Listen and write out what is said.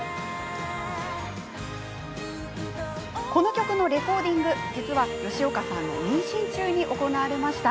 この曲のレコーディング、実は吉岡さんの妊娠中に行われました。